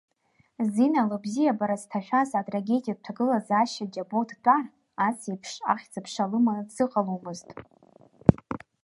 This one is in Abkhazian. Зина лыбзиабара зҭашәаз атрагедиатә ҭагылазаашьа џьабо дтәар, асеиԥш ахьӡ-аԥша лыманы дзыҟаломызт.